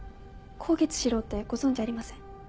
香月史郎ってご存じありません？